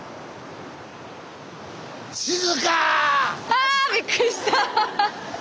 あびっくりした！